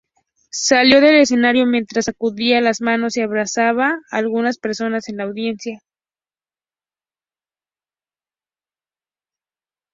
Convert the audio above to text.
Salió del escenario mientras sacudía las manos y abrazaba algunas personas en la audiencia.